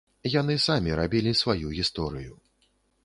Яны самі рабілі сваю гісторыю.